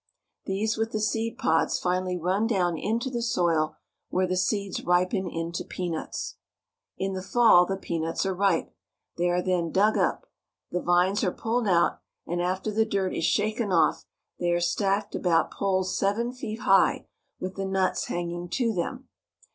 These with the seed pods finally run down into the soil where the seeds ripen into peanuts. In the fall the peanuts are ripe. They are then dug up. The vines are pulled out, and after the dirt is shaken off they are stacked about poles seven feet high, with the nuts hanging to them.